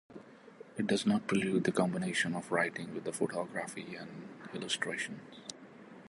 It does not preclude the combination of writing with photography and illustration.